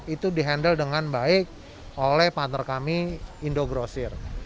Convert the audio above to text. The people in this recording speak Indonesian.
itu di handle dengan baik oleh partner kami indogrosir